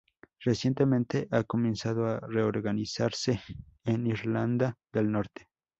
Recientemente ha comenzado a reorganizarse en Irlanda del Norte.